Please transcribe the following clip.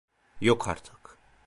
Yok artık.